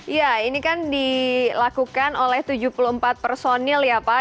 iya ini kan dilakukan oleh tujuh puluh empat personil ya pak